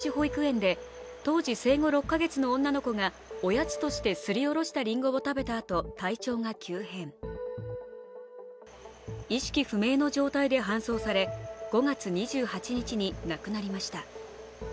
今年４月、鹿児島県姶良市にある興教寺保育園で当時生後６か月の女の子がおやつとしてすりおろしたりんごを食べたあと意識不明の状態で搬送され５月２８日に亡くなりました。